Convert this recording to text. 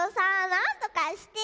なんとかして。